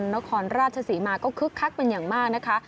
นครราชศรีมาก็คึกคักเป็นอย่างมากนะคะ